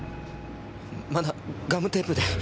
まだガムテープで。